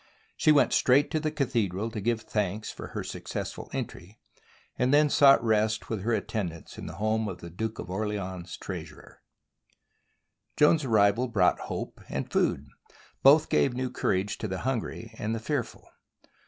She went straight to the cathedral to give thanks for her suc cessful entry, and then sought rest with her attend THE BOOK OF FAMOUS SIEGES ants in the home of the Duke of Orleans's treas urer. Joan's arrival brought hope and food. Both gave new courage to the hungry and the fearful.